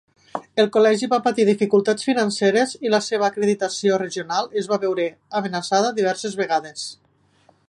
El col·legi va patir dificultats financeres i la seva acreditació regional es va veure amenaçada diverses vegades.